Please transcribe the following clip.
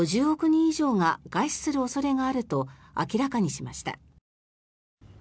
人以上が餓死する恐れがあると明らかにしました。